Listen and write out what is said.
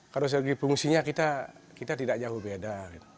kalau segi fungsinya kita tidak jauh beda